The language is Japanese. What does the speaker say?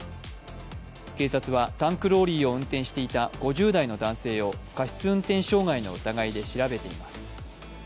警察は、タンクローリーを運転していた５０代の男性を過失運転傷害の疑いで調べています。